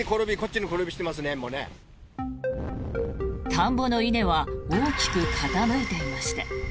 田んぼの稲は大きく傾いていました。